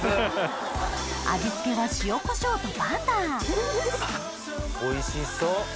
味付けは塩コショウとバターおいしそっ。